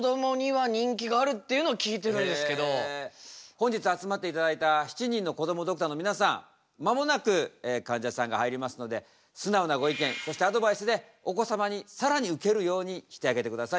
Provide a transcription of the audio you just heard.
本日集まっていただいた７人のこどもドクターの皆さん間もなくかんじゃさんが入りますので素直なご意見そしてアドバイスでお子様に更にウケるようにしてあげてください。